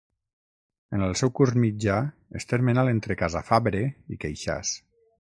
En el seu curs mitjà és termenal entre Casafabre i Queixàs.